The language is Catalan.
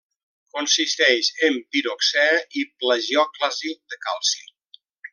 Consisteix en piroxè i plagiòclasi de calci.